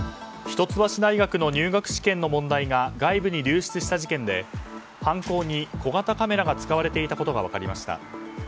一橋大学の入学試験の問題が外部に流出した事件で犯行に小型カメラが使われていたことが分かりました。